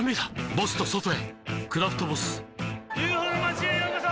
ボスと外へ「クラフトボス」ＵＦＯの町へようこそ！